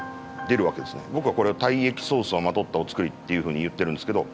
僕はこれを体液ソースをまとったお造りっていうふうに言ってるんですけど。